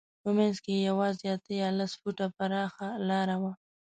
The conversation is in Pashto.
په منځ کې یې یوازې اته یا لس فوټه پراخه لاره وه.